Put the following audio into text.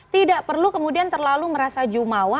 tidak perlu kemudian terlalu merasa jumawa